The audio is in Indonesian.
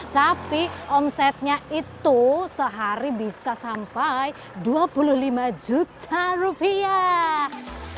tapi omsetnya itu sehari bisa sampai dua puluh lima juta rupiah